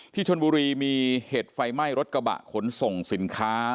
ชนบุรีมีเหตุไฟไหม้รถกระบะขนส่งสินค้า